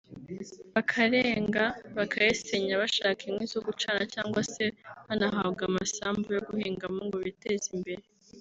bakarenga bakayisenya bashaka inkwi zo gucana cyangwa se banahabwa amasambu yo guhingamo ngo biteze imbere